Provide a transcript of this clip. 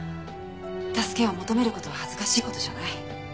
助けを求める事は恥ずかしい事じゃない。